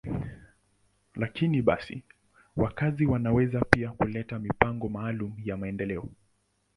Lakini basi, wakazi wanaweza pia kuleta mipango maalum ya maendeleo.